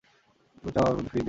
তুমি চাও আমি অফারটি ফিরিয়ে দিই?